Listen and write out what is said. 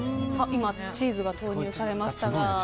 今、チーズが投入されました。